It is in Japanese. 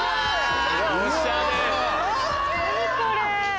おしゃれ。